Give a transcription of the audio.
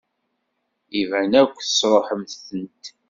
Iban akk tesṛuḥemt-tent.